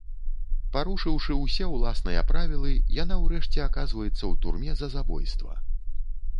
Парушыўшы ўсе ўласныя правілы, яна ўрэшце аказваецца ў турме за забойства.